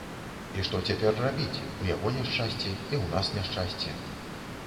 І што цяпер рабіць, у яго няшчасце, і ў нас няшчасце.